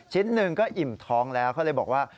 หนึ่งก็อิ่มท้องแล้วเขาเลยบอกว่า